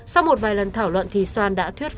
sau một vài lần thảo luận thì soan đã thuyết pháp